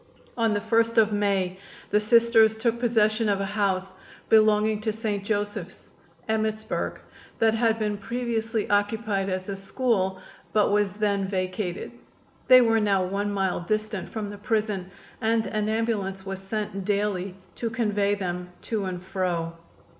On the 1st of May the Sisters took possession of a house belonging to St. Joseph's, Emmittsburg, that had been previously occupied as a school, but was then vacated. They were now one mile distant from the prison, and an ambulance was sent daily to convey them to and fro.